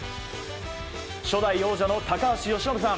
初代王者の高橋由伸さん